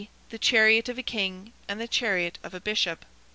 the chariot of a King and the chariot of a Bishop."